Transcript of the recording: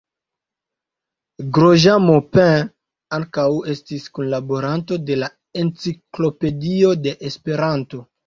Grosjean-Maupin ankaŭ estis kunlaboranto de la Enciklopedio de Esperanto.